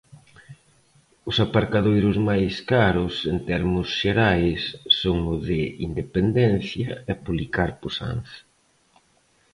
Os aparcadoiros máis caros, en termos xerais, son o de Independencia e Policarpo Sanz.